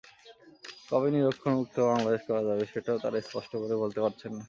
কবে নিরক্ষরমুক্ত বাংলাদেশ করা যাবে, সেটাও তাঁরা স্পষ্ট করে বলতে পারছেন না।